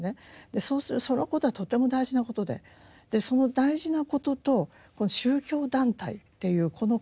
そうするとそのことはとても大事なことでその大事なことと宗教団体っていうこの関係が一体どうなってるのかと。